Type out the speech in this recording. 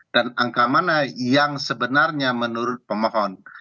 dan angka mana yang sebenarnya menurut pemohon